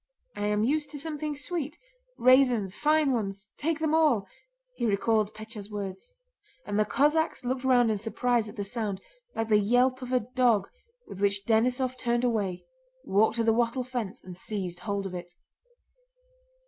"I am used to something sweet. Raisins, fine ones... take them all!" he recalled Pétya's words. And the Cossacks looked round in surprise at the sound, like the yelp of a dog, with which Denísov turned away, walked to the wattle fence, and seized hold of it.